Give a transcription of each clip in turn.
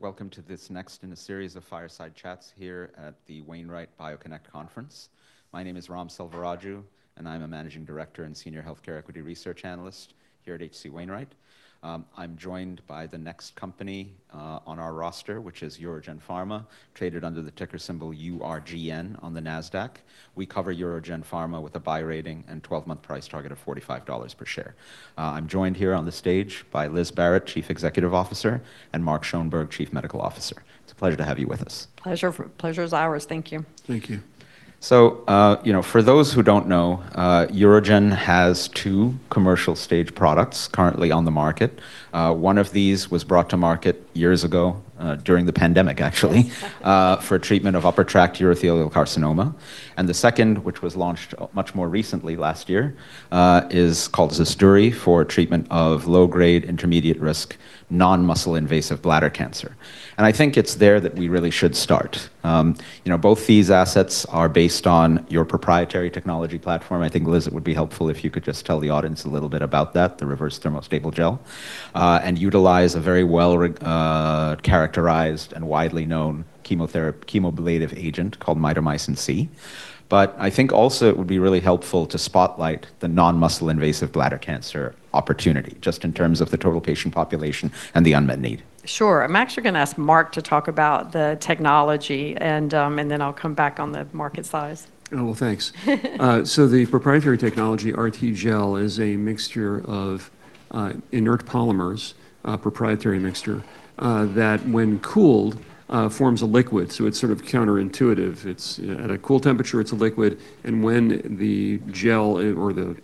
Welcome to this next in a series of fireside chats here at the Wainwright BioConnect Conference. My name is Ram Selvaraju, and I'm a Managing Director and Senior Healthcare Equity Research Analyst here at H.C. Wainwright. I'm joined by the next company on our roster, which is UroGen Pharma, traded under the ticker symbol URGN on the Nasdaq. We cover UroGen Pharma with a buy rating and 12-month price target of $45 per share. I'm joined here on the stage by Liz Barrett, Chief Executive Officer, and Mark Schoenberg, Chief Medical Officer. It's a pleasure to have you with us. Pleasure, pleasure is ours. Thank you. Thank you. You know, for those who don't know, UroGen has two commercial stage products currently on the market. One of these was brought to market years ago, during the pandemic actually, for treatment of upper tract urothelial carcinoma, and the second, which was launched much more recently last year, is called ZUSDURI for treatment of low-grade intermediate-risk non-muscle invasive bladder cancer, and I think it's there that we really should start. You know, both these assets are based on your proprietary technology platform. I think, Liz, it would be helpful if you could just tell the audience a little bit about that, the reversed thermostable gel, and utilize a very well characterized and widely known chemoablative agent called mitomycin C. I think also it would be really helpful to spotlight the non-muscle invasive bladder cancer opportunity just in terms of the total patient population and the unmet need. Sure. I'm actually going to ask Mark to talk about the technology and then I'll come back on the market size. Well, thanks. The proprietary technology RTGel is a mixture of inert polymers, a proprietary mixture that when cooled forms a liquid. It's sort of counterintuitive. It's, at a cool temperature it's a liquid, and when the gel or the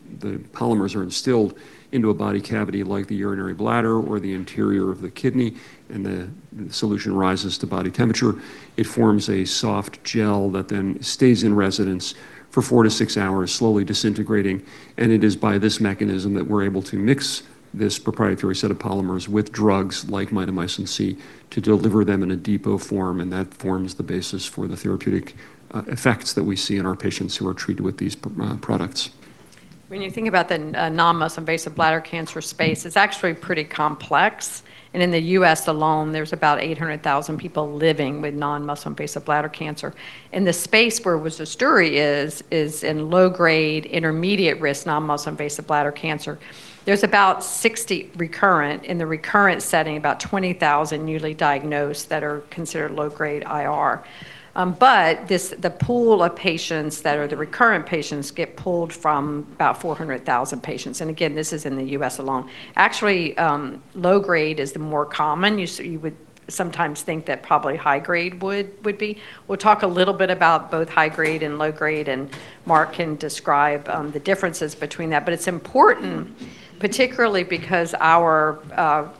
polymers are instilled into a body cavity like the urinary bladder or the interior of the kidney and the solution rises to body temperature, it forms a soft gel that then stays in residence for four to six hours, slowly disintegrating, and it is by this mechanism that we're able to mix this proprietary set of polymers with drugs like mitomycin C to deliver them in a depot form and that forms the basis for the therapeutic effects that we see in our patients who are treated with these products. When you think about the non-muscle invasive bladder cancer space, it's actually pretty complex, and in the U.S. alone there's about 800,000 people living with non-muscle invasive bladder cancer. The space where ZUSDURI is in low-grade intermediate-risk non-muscle invasive bladder cancer. There's about 60 recurrent, in the recurrent setting about 20,000 newly diagnosed that are considered low-grade IR. The pool of patients that are the recurrent patients get pulled from about 400,000 patients, and again, this is in the U.S. alone. Actually, low-grade is the more common. You would sometimes think that probably high-grade would be. We'll talk a little bit about both high-grade and low-grade, and Mark can describe the differences between that. It's important particularly because our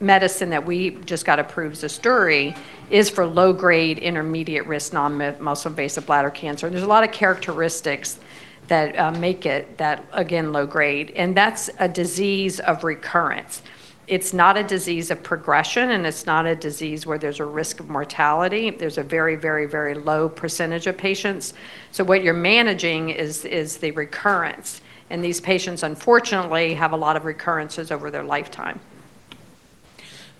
medicine that we just got approved, ZUSDURI, is for low-grade intermediate-risk non-muscle invasive bladder cancer, and there's a lot of characteristics that make it that, again, low-grade, and that's a disease of recurrence. It's not a disease of progression, and it's not a disease where there's a risk of mortality. There's a very, very, very low percentage of patients. What you're managing is the recurrence, and these patients unfortunately have a lot of recurrences over their lifetime.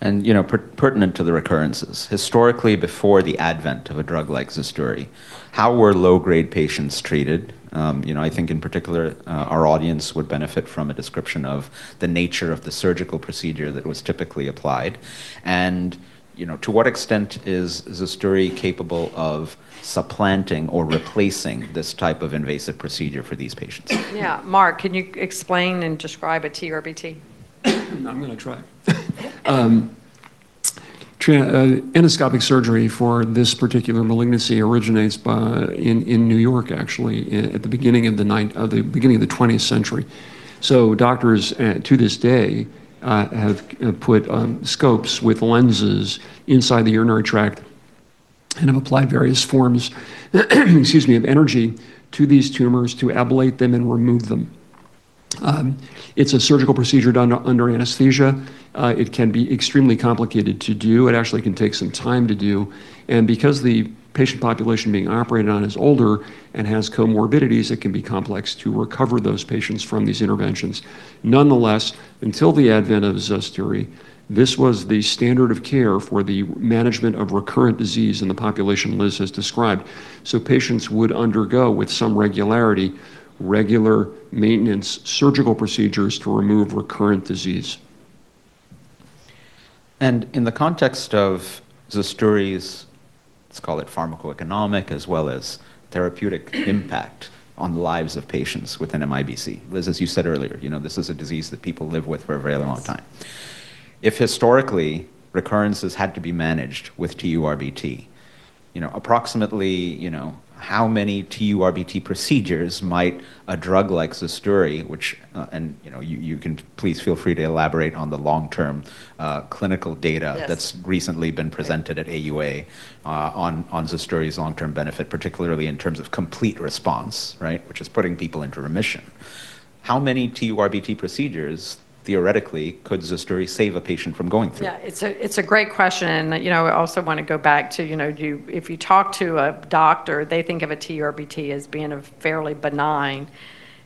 You know, pertinent to the recurrences, historically before the advent of a drug like ZUSDURI, how were low-grade patients treated? You know, I think in particular, our audience would benefit from a description of the nature of the surgical procedure that was typically applied and, you know, to what extent is ZUSDURI capable of supplanting or replacing this type of invasive procedure for these patients? Yeah. Mark, can you explain and describe a TURBT? I'm gonna try. Endoscopic surgery for this particular malignancy originates in New York actually, at the beginning of the 20th century. Doctors to this day have put scopes with lenses inside the urinary tract and have applied various forms, excuse me, of energy to these tumors to ablate them and remove them. It's a surgical procedure done under anesthesia. It can be extremely complicated to do. It actually can take some time to do, and because the patient population being operated on is older and has comorbidities, it can be complex to recover those patients from these interventions. Nonetheless, until the advent of ZUSDURI, this was the standard of care for the management of recurrent disease in the population Liz has described. Patients would undergo with some regularity regular maintenance surgical procedures to remove recurrent disease. In the context of ZUSDURI's, let's call it pharmacoeconomic as well as therapeutic impact on the lives of patients with NMIBC, Liz, as you said earlier, you know, this is a disease that people live with for a very long time. If historically recurrences had to be managed with TURBT, you know, approximately, you know, how many TURBT procedures might a drug like ZUSDURI, which, you know, you can please feel free to elaborate on the long-term clinical data. Yes. That's recently been presented at AUA, on ZUSDURI's long-term benefit, particularly in terms of complete response, right, which is putting people into remission. How many TURBT procedures theoretically could ZUSDURI save a patient from going through? Yeah, it's a great question. You know, I also wanna go back to, you know, if you talk to a doctor, they think of a TURBT as being a fairly benign,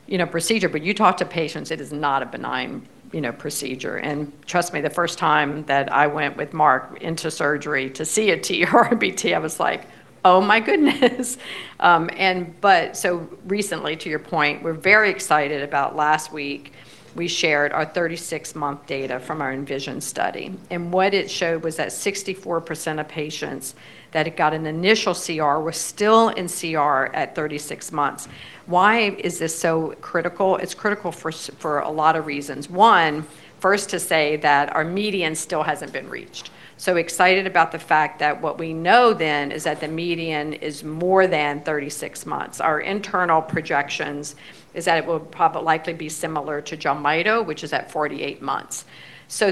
you know, procedure, but you talk to patients, it is not a benign, you know, procedure. Trust me, the first time that I went with Mark into surgery to see a TURBT, I was like, "Oh my goodness." Recently, to your point, we're very excited about last week, we shared our 36-month data from our ENVISION study. What it showed was that 64% of patients that had got an initial CR were still in CR at 36 months. Why is this so critical? It's critical for a lot of reasons. One, first to say that our median still hasn't been reached. Excited about the fact that what we know then is that the median is more than 36 months. Our internal projections is that it will likely be similar to JELMYTO, which is at 48 months.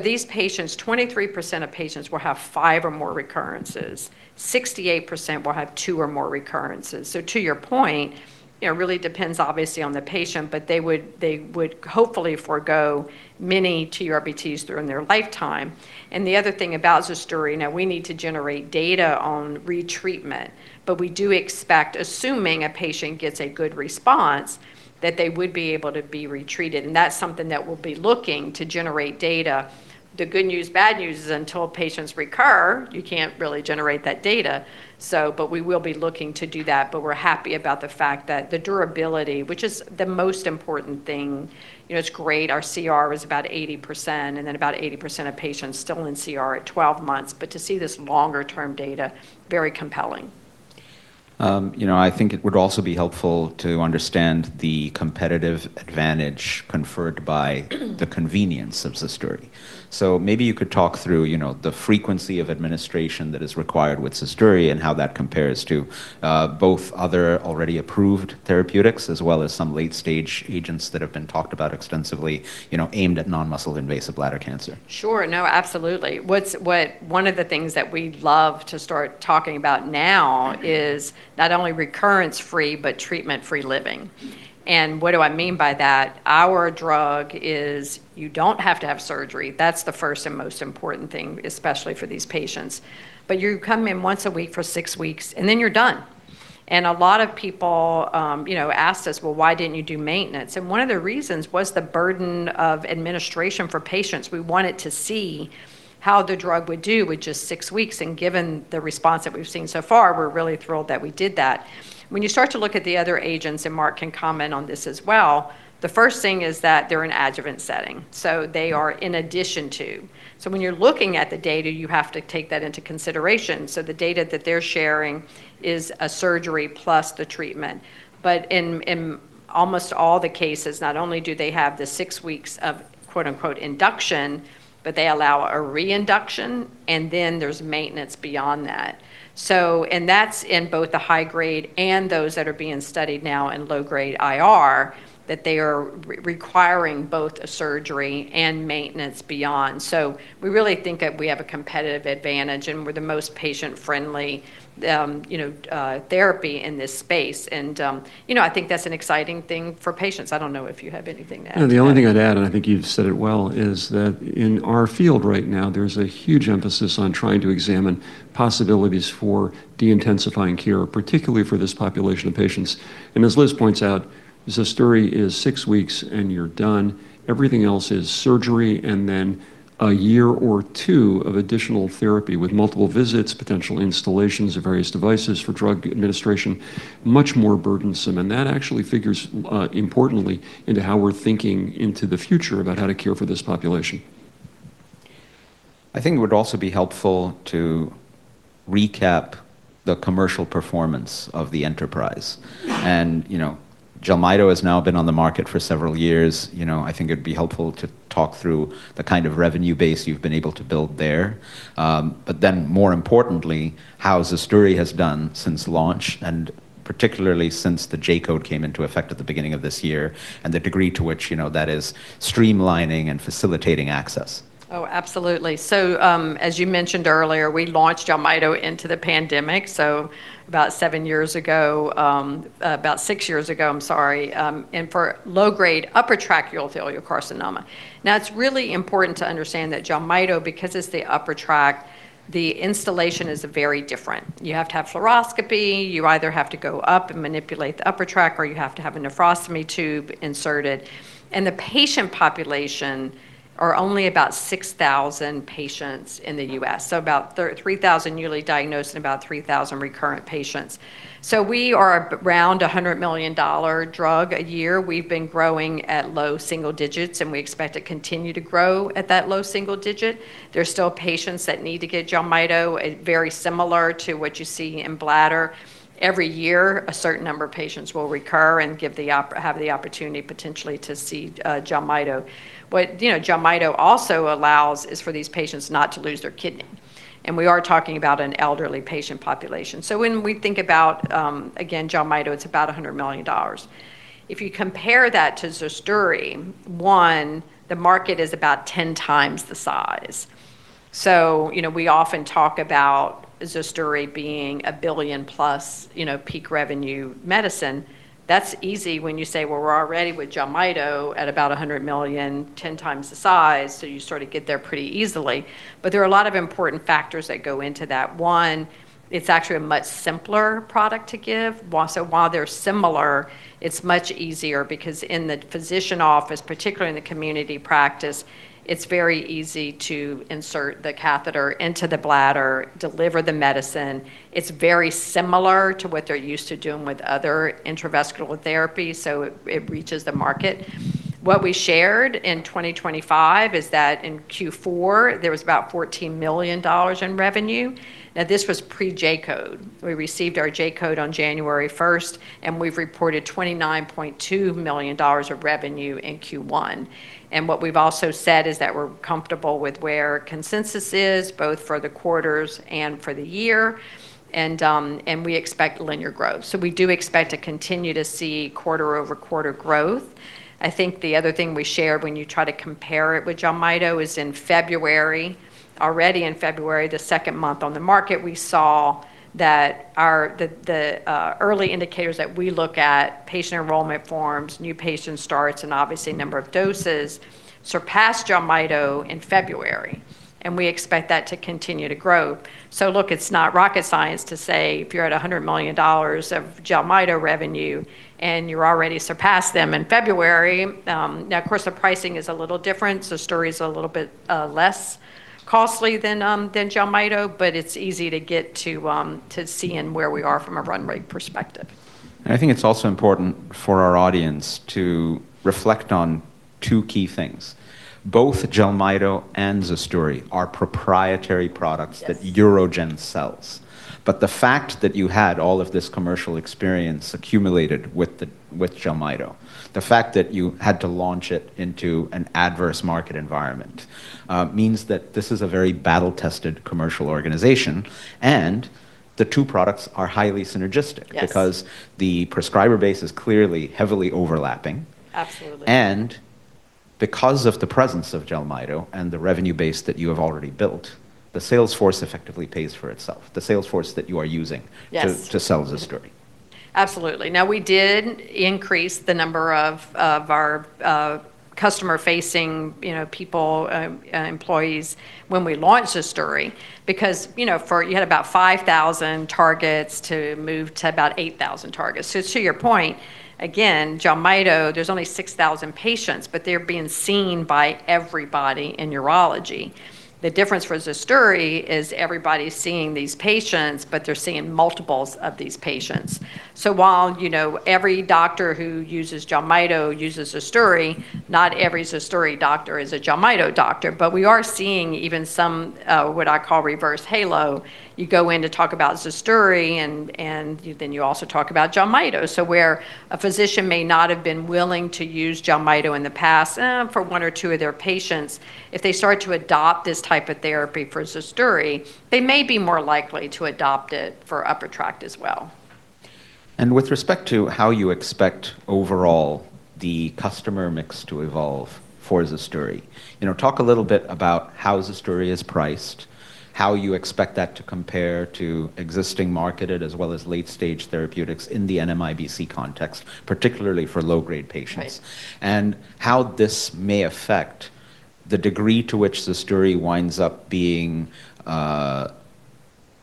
These patients, 23% of patients will have five or more recurrences. 68% will have two or more recurrences. To your point, it really depends obviously on the patient, but they would hopefully forego many TURBTs during their lifetime. The other thing about ZUSDURI, now we need to generate data on retreatment, but we do expect, assuming a patient gets a good response, that they would be able to be retreated, and that's something that we'll be looking to generate data. The good news, bad news is until patients recur, you can't really generate that data. We will be looking to do that, but we're happy about the fact that the durability, which is the most important thing, you know, it's great our CR is about 80% and then about 80% of patients still in CR at 12 months, but to see this longer term data, very compelling. You know, I think it would also be helpful to understand the competitive advantage conferred by the convenience of ZUSDURI. Maybe you could talk through, you know, the frequency of administration that is required with ZUSDURI and how that compares to both other already approved therapeutics as well as some late-stage agents that have been talked about extensively, you know, aimed at non-muscle invasive bladder cancer. Sure. No, absolutely. One of the things that we'd love to start talking about now is not only recurrence-free, but treatment-free living. What do I mean by that? Our drug is you don't have to have surgery. That's the first and most important thing, especially for these patients. You come in once a week for six weeks, and then you're done. A lot of people, you know, asked us, "Well, why didn't you do maintenance?" One of the reasons was the burden of administration for patients. We wanted to see how the drug would do with just six weeks, and given the response that we've seen so far, we're really thrilled that we did that. When you start to look at the other agents, and Mark can comment on this as well, the first thing is that they're an adjuvant setting, they are in addition to. When you're looking at the data, you have to take that into consideration. The data that they're sharing is a surgery plus the treatment. In almost all the cases, not only do they have the six weeks of, quote-unquote, "induction," but they allow a reinduction, and then there's maintenance beyond that. That's in both the high-grade and those that are being studied now in low-grade IR, that they are re-requiring both a surgery and maintenance beyond. We really think that we have a competitive advantage, and we're the most patient-friendly, you know, therapy in this space. You know, I think that's an exciting thing for patients. I don't know if you have anything to add to that. No, the only thing I'd add, and I think you've said it well, is that in our field right now, there's a huge emphasis on trying to examine possibilities for deintensifying cure, particularly for this population of patients. As Liz points out, ZUSDURI is six weeks and you're done. Everything else is surgery and then a year or two of additional therapy with multiple visits, potential installations of various devices for drug administration, much more burdensome. That actually figures importantly into how we're thinking into the future about how to cure for this population. I think it would also be helpful to recap the commercial performance of the enterprise. You know, JELMYTO has now been on the market for several years. You know, I think it would be helpful to talk through the kind of revenue base you've been able to build there. More importantly, how ZUSDURI has done since launch, and particularly since the J-code came into effect at the beginning of this year, and the degree to which, you know, that is streamlining and facilitating access. Oh, absolutely. As you mentioned earlier, we launched JELMYTO into the pandemic, about seven years ago, about six years ago, I'm sorry, for low-grade upper tract urothelial carcinoma. It's really important to understand that JELMYTO, because it's the upper tract, the installation is very different. You have to have fluoroscopy. You either have to go up and manipulate the upper tract, or you have to have a nephrostomy tube inserted. The patient population are only about 6,000 patients in the U.S., about 3,000 newly diagnosed and about 3,000 recurrent patients. We are around a $100 million drug a year. We've been growing at low single digits, we expect to continue to grow at that low single digit. There's still patients that need to get JELMYTO, very similar to what you see in bladder. Every year, a certain number of patients will recur and have the opportunity potentially to see JELMYTO. What, you know, JELMYTO also allows is for these patients not to lose their kidney, and we are talking about an elderly patient population. When we think about, again, JELMYTO, it's about $100 million. If you compare that to ZUSDURI, one, the market is about 10 times the size. You know, we often talk about ZUSDURI being a $1 billion plus, you know, peak revenue medicine. That's easy when you say, "Well, we're already with JELMYTO at about $100 million, 10 times the size," you sort of get there pretty easily. There are a lot of important factors that go into that. One, it's actually a much simpler product to give. While they're similar, it's much easier because in the physician office, particularly in the community practice, it's very easy to insert the catheter into the bladder, deliver the medicine. It's very similar to what they're used to doing with other intravesical therapy, it reaches the market. What we shared in 2025 is that in Q4, there was about $14 million in revenue. This was pre-J-Code. We received our J-Code on January 1st, we've reported $29.2 million of revenue in Q1. What we've also said is that we're comfortable with where consensus is, both for the quarters and for the year, we expect linear growth. We do expect to continue to see quarter-over-quarter growth. I think the other thing we shared when you try to compare it with JELMYTO was in February, already in February, the second month on the market, we saw that our the early indicators that we look at, patient enrollment forms, new patient starts, and obviously number of doses, surpassed JELMYTO in February. We expect that to continue to grow. Look, it's not rocket science to say if you're at $100 million of JELMYTO revenue and you already surpassed them in February, Now, of course, the pricing is a little different. ZUSDURI's a little bit less costly than JELMYTO, but it's easy to get to seeing where we are from a run rate perspective. I think it's also important for our audience to reflect on two key things. Both JELMYTO and ZUSDURI are proprietary products. Yes. that UroGen sells. The fact that you had all of this commercial experience accumulated with JELMYTO, the fact that you had to launch it into an adverse market environment, means that this is a very battle-tested commercial organization, and the two products are highly synergistic. Yes. The prescriber base is clearly heavily overlapping. Absolutely. Because of the presence of JELMYTO and the revenue base that you have already built, the sales force effectively pays for itself, the sales force that you are using. Yes. to sell ZUSDURI. Absolutely. We did increase the number of our customer-facing, you know, people, employees when we launched ZUSDURI because, you know, for you had about 5,000 targets to move to about 8,000 targets. To your point, again, JELMYTO, there's only 6,000 patients, but they're being seen by everybody in urology. The difference for ZUSDURI is everybody's seeing these patients, but they're seeing multiples of these patients. While, you know, every doctor who uses JELMYTO uses ZUSDURI, not every ZUSDURI doctor is a JELMYTO doctor. We are seeing even some what I call reverse halo. You go in to talk about ZUSDURI and you also talk about JELMYTO. Where a physician may not have been willing to use JELMYTO in the past, for one or two of their patients, if they start to adopt this type of therapy for ZUSDURI, they may be more likely to adopt it for upper tract as well. With respect to how you expect overall the customer mix to evolve for ZUSDURI, you know, talk a little bit about how ZUSDURI is priced, how you expect that to compare to existing marketed as well as late-stage therapeutics in the NMIBC context, particularly for low-grade patients. Right. How this may affect the degree to which ZUSDURI winds up being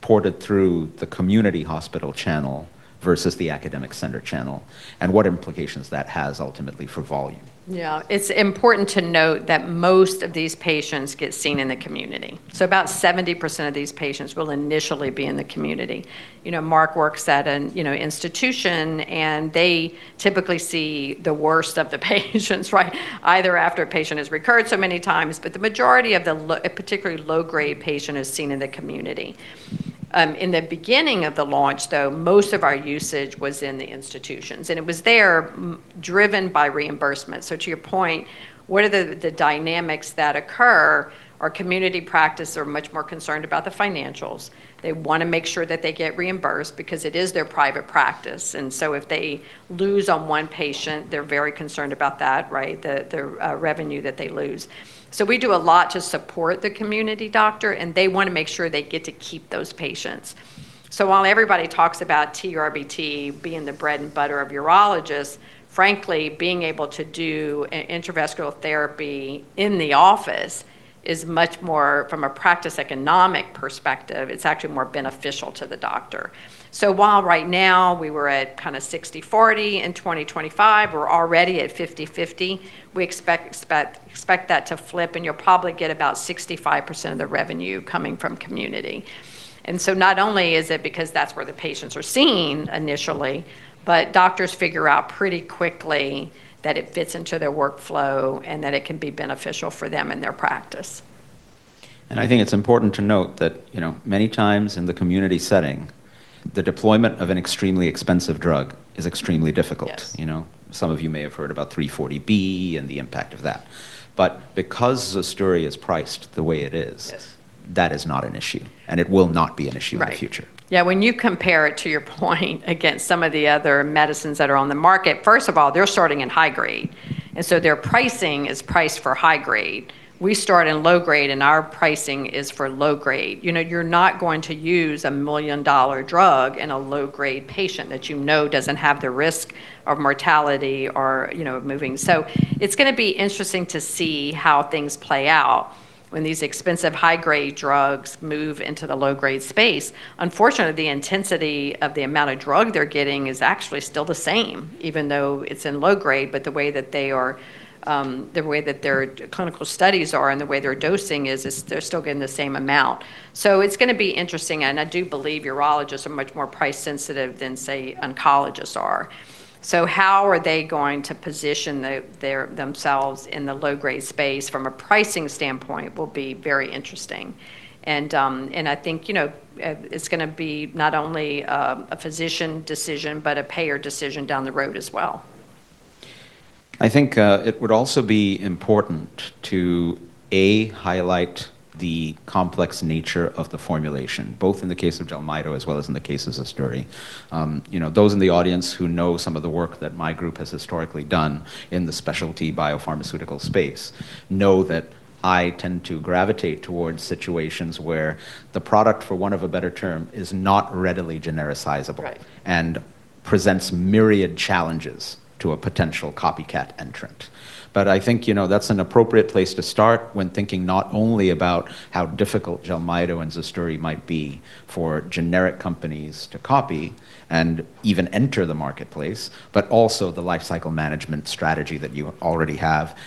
ported through the community hospital channel versus the academic center channel, and what implications that has ultimately for volume. Yeah. It's important to note that most of these patients get seen in the community. About 70% of these patients will initially be in the community. You know, Mark works at an institution, and they typically see the worst of the patients, right? Either after a patient has recurred so many times, but the majority of the particularly low-grade patient is seen in the community. In the beginning of the launch, though, most of our usage was in the institutions, and it was there driven by reimbursement. To your point, one of the dynamics that occur are community practice are much more concerned about the financials. They wanna make sure that they get reimbursed because it is their private practice, and so if they lose on one patient, they're very concerned about that, right? The revenue that they lose. We do a lot to support the community doctor, and they wanna make sure they get to keep those patients. While everybody talks about TURBT being the bread and butter of urologists, frankly, being able to do intravesical therapy in the office is much more, from a practice economic perspective, it's actually more beneficial to the doctor. While right now we were at 60/40, in 2025 we're already at 50/50, we expect that to flip, and you'll probably get about 65% of the revenue coming from community. Not only is it because that's where the patients are seen initially, but doctors figure out pretty quickly that it fits into their workflow and that it can be beneficial for them and their practice. I think it's important to note that, you know, many times in the community setting, the deployment of an extremely expensive drug is extremely difficult. Yes. You know? Some of you may have heard about 340B and the impact of that. Because ZUSDURI is priced the way it is. Yes. That is not an issue, and it will not be an issue in the future. Right. Yeah, when you compare it, to your point, against some of the other medicines that are on the market, first of all, they're starting in high-grade, and so their pricing is priced for high-grade. We start in low-grade and our pricing is for low-grade. You know, you're not going to use a million dollar drug in a low-grade patient that you know doesn't have the risk of mortality or, you know, of moving. It's gonna be interesting to see how things play out when these expensive high-grade drugs move into the low-grade space. Unfortunately, the intensity of the amount of drug they're getting is actually still the same even though it's in low-grade, but the way that they are, the way that their clinical studies are and the way their dosing is they're still getting the same amount. It's gonna be interesting, and I do believe urologists are much more price sensitive than, say, oncologists are. How are they going to position themselves in the low-grade space from a pricing standpoint will be very interesting. I think, you know, it's gonna be not only a physician decision, but a payer decision down the road as well. I think it would also be important to, A, highlight the complex nature of the formulation, both in the case of JELMYTO as well as in the case of ZUSDURI. You know, those in the audience who know some of the work that my group has historically done in the specialty biopharmaceutical space know that I tend to gravitate towards situations where the product, for want of a better term, is not readily genericizable. Right. Presents myriad challenges to a potential copycat entrant. I think, you know, that's an appropriate place to start when thinking not only about how difficult JELMYTO and ZUSDURI might be for generic companies to copy and even enter the marketplace, but also the life cycle management strategy that you already have.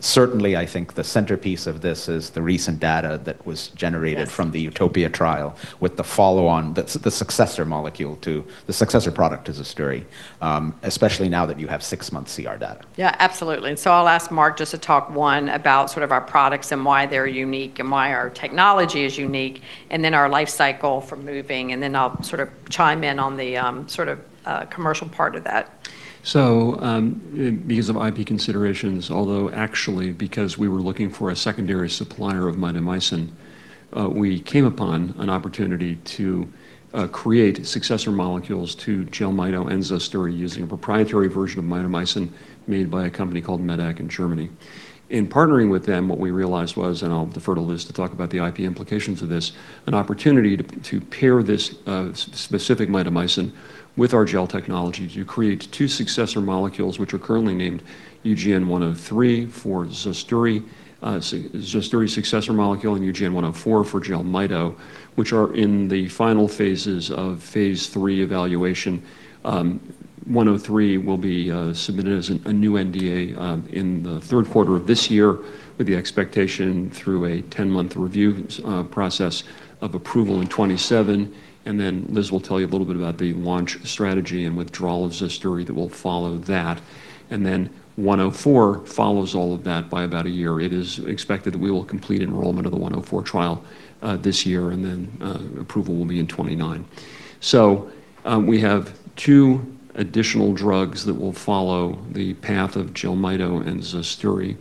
Certainly, I think the centerpiece of this is the recent data that was generated. Yes. from the UTOPIA trial with the follow-on, the successor product to ZUSDURI, especially now that you have six months CR data. Absolutely. I'll ask Mark just to talk, one, about sort of our products and why they're unique and why our technology is unique, and then our life cycle for moving, and then I'll sort of chime in on the sort of commercial part of that. Because of IP considerations, although actually because we were looking for a secondary supplier of mitomycin, we came upon an opportunity to create successor molecules to JELMYTO and ZUSDURI using a proprietary version of mitomycin made by a company called medac in Germany. In partnering with them, what we realized was, and I'll defer to Liz to talk about the IP implications of this, an opportunity to pair this specific mitomycin with our gel technology to create two successor molecules, which are currently named UGN-103 for ZUSDURI successor molecule, and UGN-104 for JELMYTO, which are in the final phases of phase III evaluation. 104 will be submitted as a new NDA in the third quarter of this year with the expectation through a 10-month review process of approval in 2027. Liz will tell you a little bit about the launch strategy and withdrawal of ZUSDURI that will follow that. 104 follows all of that by about a year. It is expected that we will complete enrollment of the 104 trial this year and approval will be in 2029. We have two additional drugs that will follow the path of JELMYTO and ZUSDURI.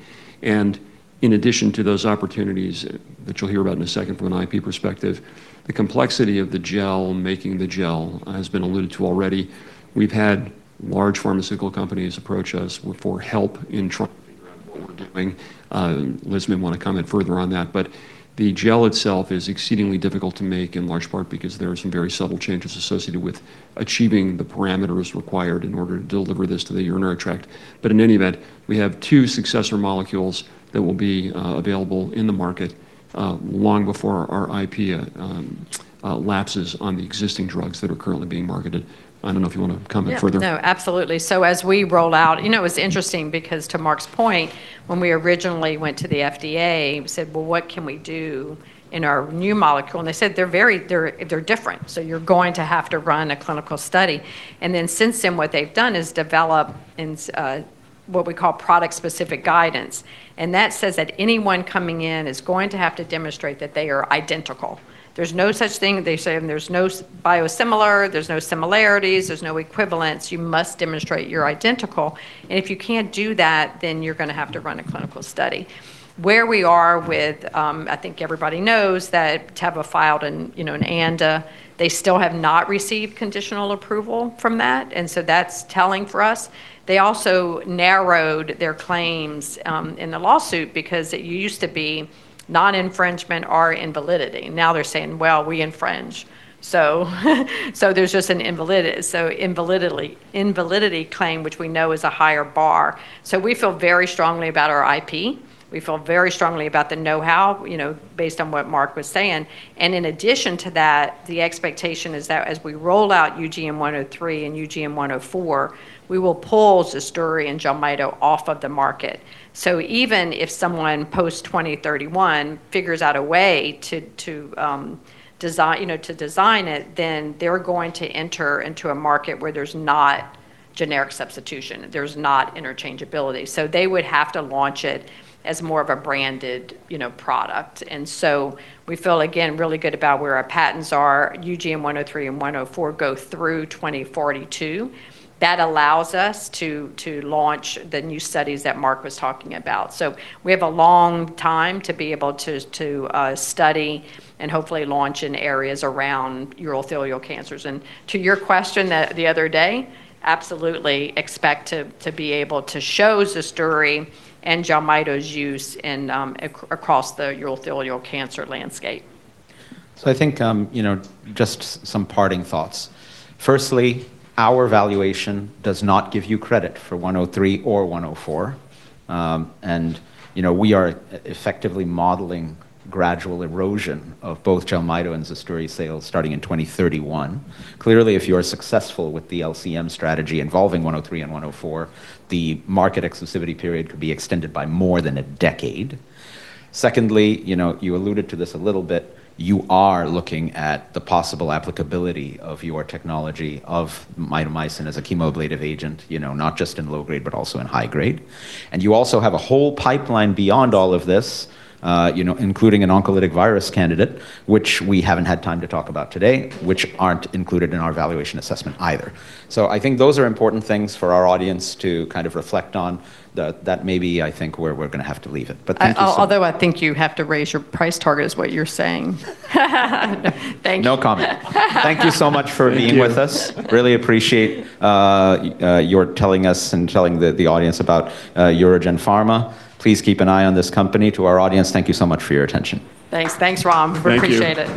In addition to those opportunities that you'll hear about in a second from an IP perspective, the complexity of the gel, making the gel, has been alluded to already. We've had large pharmaceutical companies approach us for help in trying to figure out what we're doing. Liz may wanna comment further on that. The gel itself is exceedingly difficult to make, in large part because there are some very subtle changes associated with achieving the parameters required in order to deliver this to the urinary tract. In any event, we have two successor molecules that will be available in the market long before our IP lapses on the existing drugs that are currently being marketed. I don't know if you wanna comment further. Yeah, no, absolutely. As we roll out You know, it was interesting because to Mark's point, when we originally went to the FDA and said, "Well, what can we do in our new molecule?" They said, "They're different, you're going to have to run a clinical study." Since then what they've done is develop what we call product-specific guidance, that says that anyone coming in is going to have to demonstrate that they are identical. There's no such thing, they say, there's no biosimilar, there's no similarities, there's no equivalence. You must demonstrate you're identical, if you can't do that, you're gonna have to run a clinical study. Where we are with, I think everybody knows that Teva filed an, you know, an ANDA. They still have not received conditional approval from that, and so that's telling for us. They also narrowed their claims, in the lawsuit because it used to be non-infringement or invalidity. Now they're saying, "Well, we infringe." There's just an invalidity claim, which we know is a higher bar. We feel very strongly about our IP. We feel very strongly about the know-how, you know, based on what Mark was saying. In addition to that, the expectation is that as we roll out UGN-103 and UGN-104, we will pull ZUSDURI and JELMYTO off of the market. Even if someone post-2031 figures out a way to design it, then they're going to enter into a market where there's generic substitution. There's not interchangeability. They would have to launch it as more of a branded, you know, product. We feel, again, really good about where our patents are. UGN-103 and 104 go through 2042. That allows us to launch the new studies that Mark was talking about. We have a long time to be able to study and hopefully launch in areas around urothelial cancers. To your question the other day, absolutely expect to be able to show ZUSDURI and JELMYTO's use in across the urothelial cancer landscape. I think, you know, just some parting thoughts. Firstly, our valuation does not give you credit for 103 or 104. You know, we are effectively modeling gradual erosion of both JELMYTO and ZUSDURI sales starting in 2031. Clearly, if you are successful with the LCM strategy involving 103 and 104, the market exclusivity period could be extended by more than a decade. Secondly, you know, you alluded to this a little bit, you are looking at the possible applicability of your technology of mitomycin as a chemoablative agent, you know, not just in low-grade, but also in high-grade. You also have a whole pipeline beyond all of this, you know, including an oncolytic virus candidate, which we haven't had time to talk about today, which aren't included in our valuation assessment either. I think those are important things for our audience to kind of reflect on. That may be, I think, where we're gonna have to leave it. Thank you so- Although I think you have to raise your price target is what you're saying. Thank you. No comment. Thank you so much for being with us. Thank you. Really appreciate your telling us and telling the audience about UroGen Pharma. Please keep an eye on this company. To our audience, thank you so much for your attention. Thanks. Thanks, Ram. Thank you. Appreciate it.